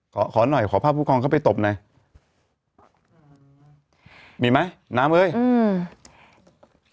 ขอขอหน่อยขอภาพผู้กองเข้าไปตบหน่อยมีไหมน้ำเอ้ยอืม